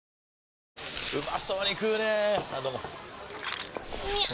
うまそうに食うねぇあどうもみゃう！！